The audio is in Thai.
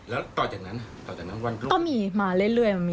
แล้วต่อจากนั้นต่อจากนั้นวันกลุ่ม